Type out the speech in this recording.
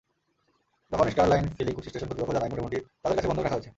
তখন Starline filling station কর্তৃপক্ষ জানায়, মুঠোফোনটি তাঁদের কাছে বন্ধক রাখা হয়েছে।